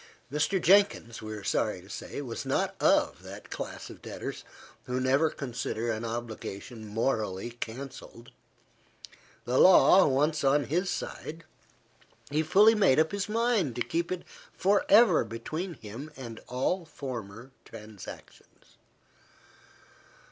Mr. Jenkins, we are sorry to say, was not of that class of debtors who never consider an obligation morally cancelled. The law once on his side, he fully made up his mind to keep it for ever between him and all former transactions.